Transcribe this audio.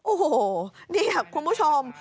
โอ้โฮคุณผู้ชม